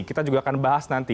kita juga akan bahas nanti